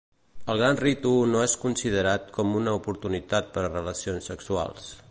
El Gran Ritu no és considerat com una oportunitat per a relacions sexuals.